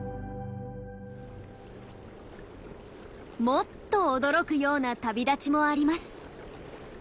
もっと驚くような旅立ちもあります。